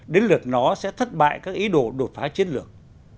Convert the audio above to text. đến lượt nó sẽ thất bại các ý đồ đột phá chiến lược